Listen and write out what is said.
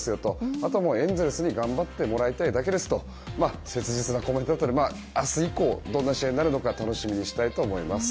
あとはエンゼルスに頑張ってもらいたいだけですと切実なコメントで明日以降どんな試合になるのか楽しみにしたいと思います。